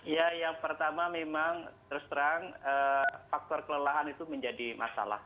ya yang pertama memang terus terang faktor kelelahan itu menjadi masalah